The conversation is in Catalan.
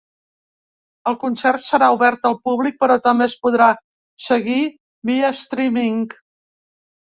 El concert serà obert al públic però també es podrà seguir via ‘streaming’.